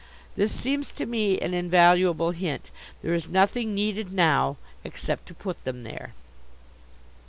This seems to me an invaluable hint. There is nothing needed now except to put them there.